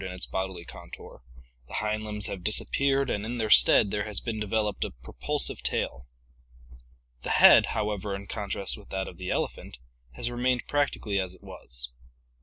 PROBOSCIDEANS 579 its bodily contour, the hind limbs have disappeared, and in their stead there has been developed a propulsive tail. The head, however, in contrast with that of the elephant, has remained prac tically as it was.